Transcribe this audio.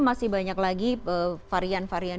masih banyak lagi varian varian